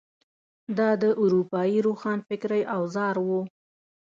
دا د اروپايي روښانفکرۍ اوزار وو.